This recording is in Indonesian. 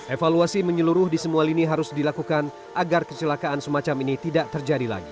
evaluasi menyeluruh di semua lini harus dilakukan agar kecelakaan semacam ini tidak terjadi lagi